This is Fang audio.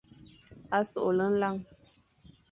Soghle nlañ,